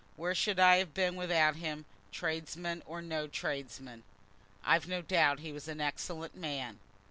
Where should I have been without him, tradesman or no tradesman?" "I've no doubt he was an excellent man."